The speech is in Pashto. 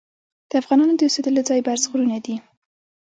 د افغانانو د اوسیدلو ځای برز غرونه دي.